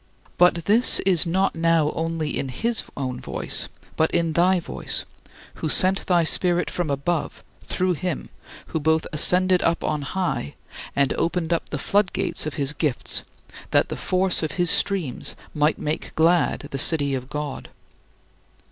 " But this is not now only in his own voice but in thy voice, who sent thy Spirit from above through Him who both "ascended up on high" and opened up the floodgates of his gifts, that the force of his streams might make glad the city of God.